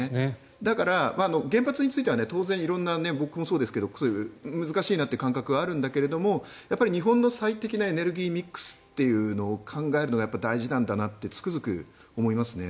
だから原発については当然色んな、僕もそうですが難しいなという感覚はあるんだけど日本の最適なエネルギーミックスを考えるのが大事なんだなってつくづく思いますね。